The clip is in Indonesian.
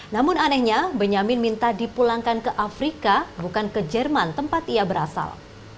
namun anehnya benyamin minta dipulangkan ke afrika bukan ke jerman tempat ia berasal